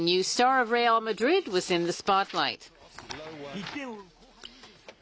１点を追う後半２３分。